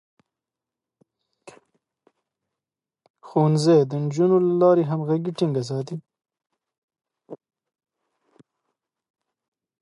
ښوونځی د نجونو له لارې همغږي ټينګه ساتي.